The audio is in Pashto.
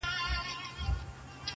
د پسونوتر زړو ویني څڅېدلې-